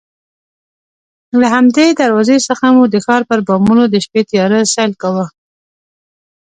له همدې دروازې څخه مو د ښار پر بامونو د شپې تیاره سیل کاوه.